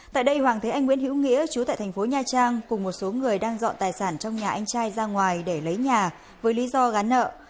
tại đây hoàng thế anh nguyễn hữu nghĩa chú tại thành phố nha trang cùng một số người đang dọn tài sản trong nhà anh trai ra ngoài để lấy nhà với lý do gắn nợ